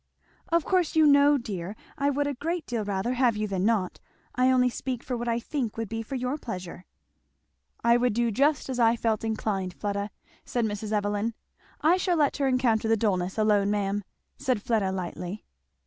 "Of course, you know, dear, I would a great deal rather have you than not I only speak for what I think would be for your pleasure." "I would do just as I felt inclined, Fleda," said Mrs. Evelyn. "I shall let her encounter the dullness alone, ma'am," said Fleda lightly.